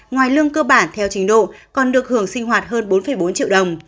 ngoài lương cơ bản theo trình độ còn được hưởng sinh hoạt hơn bốn bốn triệu đồng